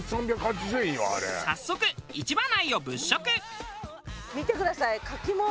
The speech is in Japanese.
早速市場内を物色。